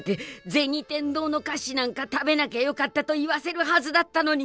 天堂の菓子なんか食べなきゃよかったと言わせるはずだったのに。